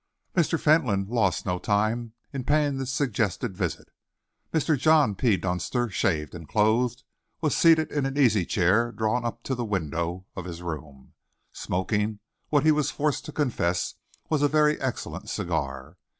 Mr. Fentolin lost no time in paying this suggested visit. Mr. John P. Dunster, shaved and clothed, was seated in an easy chair drawn up to the window of his room, smoking what he was forced to confess was a very excellent cigar.